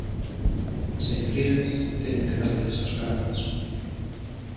Señorías, teño que darlles as grazas.